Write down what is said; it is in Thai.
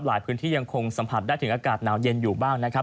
พื้นที่ยังคงสัมผัสได้ถึงอากาศหนาวเย็นอยู่บ้างนะครับ